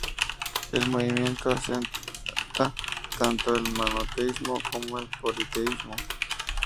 El movimiento acepta tanto el monoteísmo como el politeísmo.